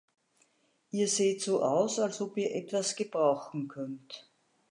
Ihr seht so aus, als ob ihr etwas gebrauchen könnt.